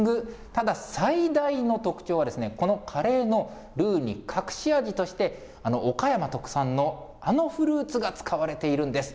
ただ、最大の特徴はですね、このカレーのルーに隠し味として岡山特産のあのフルーツが使われているんです。